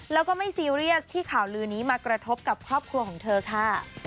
แล้วก็ไม่ซีเรียสที่ข่าวลือนี้มากระทบกับครอบครัวของเธอค่ะ